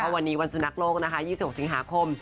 วันนี้วันสุนัขโลกนะคะ๒๖สิงหาคม